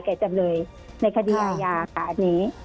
จำเลยในคดีอาญาค่ะอันนี้